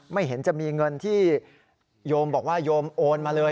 ไม่เห็นจะมีเงินที่โยมบอกว่าโยมโอนมาเลย